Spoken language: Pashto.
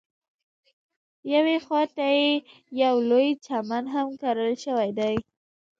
یوې خواته یې یو لوی چمن هم کرل شوی دی.